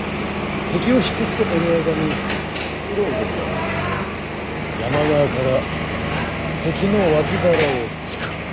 敵を引き付けてる間に九郎殿は山側から敵の脇腹をつく。